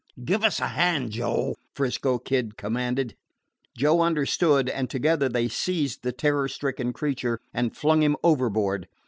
"Give us a hand, Joe," 'Frisco Kid commanded. Joe understood, and together they seized the terror stricken creature and flung him overboard.